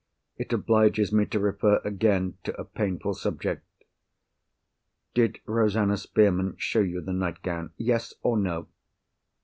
"It obliges me to refer again to a painful subject. Did Rosanna Spearman show you the nightgown. Yes, or No?"